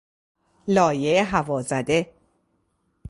لایه هوازده